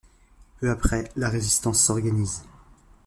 Peu après, la résistance s'organise.